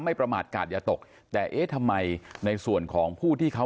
ประมาทกาศอย่าตกแต่เอ๊ะทำไมในส่วนของผู้ที่เขา